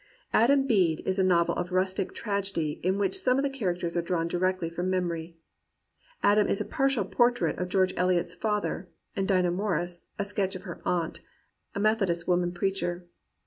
Adam Bede is a novel of rustic tragedy in which some of the characters are drawn directly from memory. Adam is a partial portrait of George Eliot's father, and Dinah Morris a sketch of her aunt, a Methodist woman preacher.